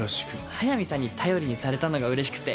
速見さんに頼りにされたのがうれしくて。